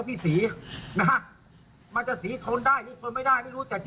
นี่สายใจของแกไม่มีค่ะคือมันต้องมาคุยกับแก